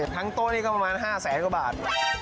ทั้งโต๊ะนี่ก็ประมาณ๕๐๐กว่าบาท